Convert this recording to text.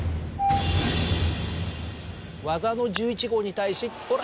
技の１１号に対しこれ。